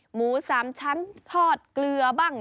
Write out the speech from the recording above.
หมู๓ชั้นทอดเกลือบ้าง